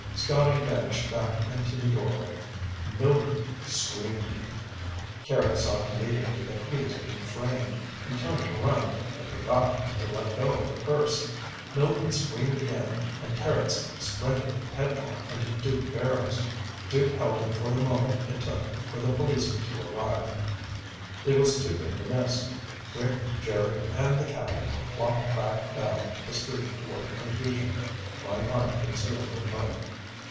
Scotty vanished back into the doorway. Mildred screamed. Carrots saw immediately that he was being framed. He turned to run, but forgot to let go of the purse. Mildred screamed again and Carrots sprinted headlong into Duke Barrows. Duke held him for the moment it took for the policeman to arrive. It was too good to miss. Rick, Jerry, and the Captain walked back down the street toward the confusion, trying hard to conceal their mirth.